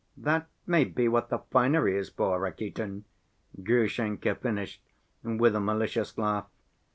That may be what the finery is for, Rakitin." Grushenka finished with a malicious laugh.